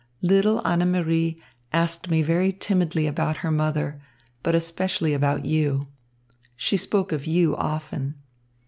Little Annemarie asked me very timidly about her mother, but especially about you. She spoke of you often.